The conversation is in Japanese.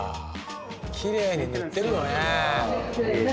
きれいに塗ってるのね。